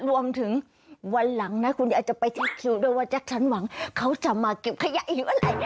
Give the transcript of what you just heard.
รวมถึงวันหลังนะคุณยายจะไปจัดคิดให้รู้ว่าแจ็คศันด์หวังเขาจะมาเก็บขยะอีกอะไร